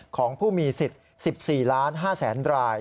ของผู้มีสิทธิ์๑๔๕๐๐๐ราย